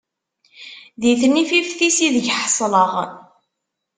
Di tnifift-is ideg ḥesleɣ.